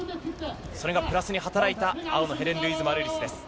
それがプラスに働いた、青のヘレンルイーズ・マルーリスです。